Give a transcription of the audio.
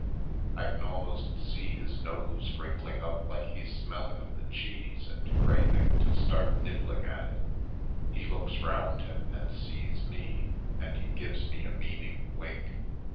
I can almost see his nose wrinkling up like he's smelling of the cheese and craving to start nibbling at it. He looks round him and sees me and he gives me a meaning wink.